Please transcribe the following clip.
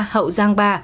hậu giang ba